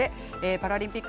パラリンピック